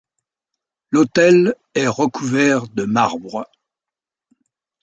L'autel est recouvert de marbre.